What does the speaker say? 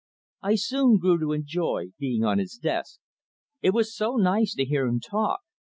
I soon grew to enjoy being on his desk. It was so nice to hear him talk!